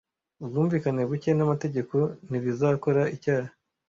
ubwumvikane buke n'amategeko ntibizakora icyaha